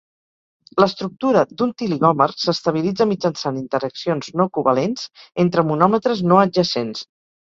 L'estructura d'un tiligòmer s'estabilitza mitjançant interaccions no covalents entre monòmetres no adjacents.